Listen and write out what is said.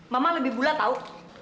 mama lebih bulat tau